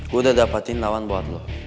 gue udah dapetin lawan buat lo